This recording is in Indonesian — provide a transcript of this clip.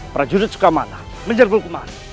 prajurit sukamana menyerbul kemana